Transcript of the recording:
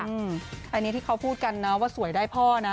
อันนี้ที่เขาพูดกันนะว่าสวยได้พ่อนะ